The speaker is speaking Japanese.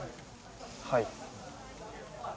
はい。